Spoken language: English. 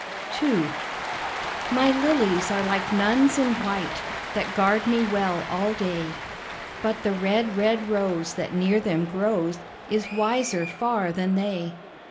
II My lilies are like nuns in white That guard me well all day, But the red, red rose that near them grows Is wiser far than they.